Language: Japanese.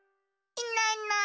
いないいない。